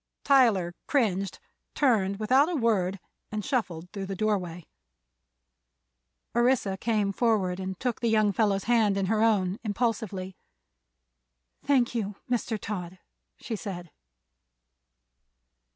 Tyler cringed, turned without a word and shuffled through the doorway. Orissa came forward and took the young fellow's hand in her own, impulsively. "Thank you, Mr. Todd!" she said.